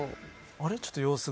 あれ？